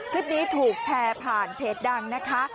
คลิปนี้ถูกแชร์ผ่านเพจดังนะคะ